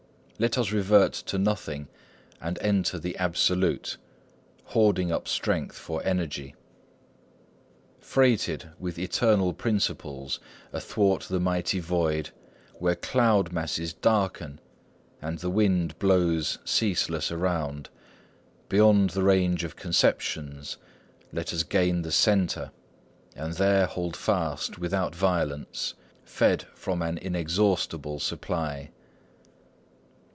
Let us revert to Nothing and enter the Absolute, Hoarding up strength for Energy. Freighted with eternal principles, Athwart the mighty void, Where cloud masses darken, And the wind blows ceaseless around, Beyond the range of conceptions, Let us gain the Centre, And there hold fast without violence, Fed from an inexhaustible supply."